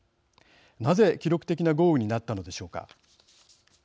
なぜ、記録的な豪雨になったのでしょうか。